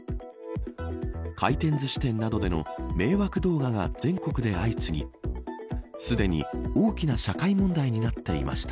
回転ずし店などでの迷惑動画が全国で相次ぎすでに大きな社会問題になっていました。